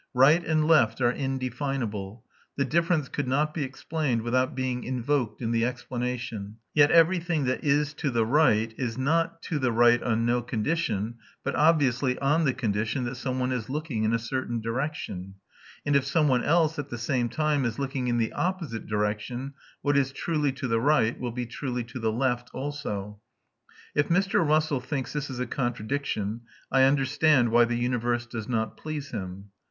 Right and left are indefinable; the difference could not be explained without being invoked in the explanation; yet everything that is to the right is not to the right on no condition, but obviously on the condition that some one is looking in a certain direction; and if some one else at the same time is looking in the opposite direction, what is truly to the right will be truly to the left also. If Mr. Russell thinks this is a contradiction, I understand why the universe does not please him.